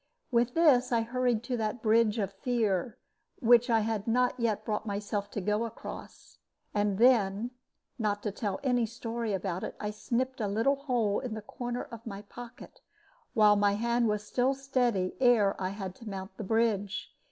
With this I hurried to that bridge of fear, which I had not yet brought myself to go across; and then, not to tell any story about it, I snipped a little hole in the corner of my pocket, while my hand was still steady ere I had to mount the bridge.